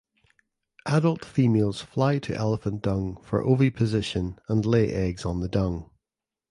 Adult females fly to elephant dung for oviposition and lay eggs on the dung.